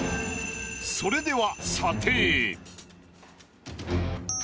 それでは。